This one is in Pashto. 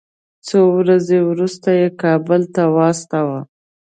څو ورځې وروسته یې کابل ته واستاوه.